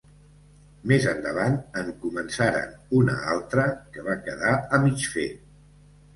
Més endavant en començaren una altra que va quedar a mig fer.